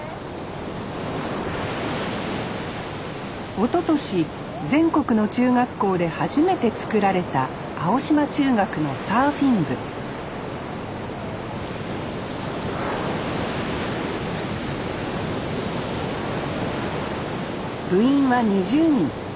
おととし全国の中学校で初めて作られた青島中学のサーフィン部部員は２０人。